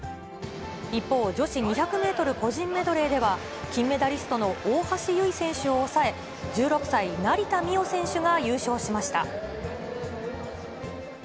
一方、女子２００メートル個人メドレーでは、金メダリストの大橋悠依選手を抑え、１６歳、成田実生選手が優勝しました。